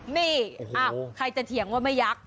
นี่ใครจะเถียงว่าไม่ยักษ